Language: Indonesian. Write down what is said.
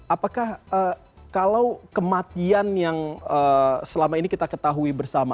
apakah kalau kematian yang selama ini kita ketahui bersama